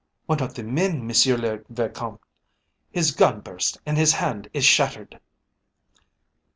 "One of the men, Monsieur le Vicomte. His gun burst, and his hand is shattered."